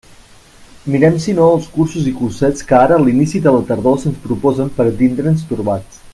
Mirem si no els cursos i cursets que ara a l'inici de la tardor se'ns proposen per a tindre'ns torbats.